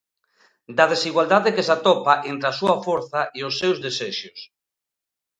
Da desigualdade que se atopa entre a súa forza e os seus desexos.